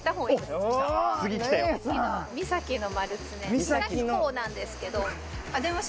三崎港なんですけど。